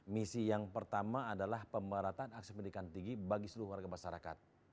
misi yang pertama adalah pembaratan aksi pendidikan tinggi bagi seluruh warga masyarakat